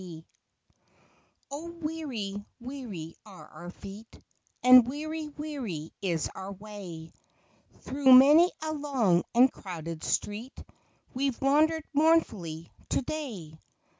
A'AH, weary, weary are our feet, v_y And weary, weary is our way ; Through many a long and crowded street We've wandered mournfully to day.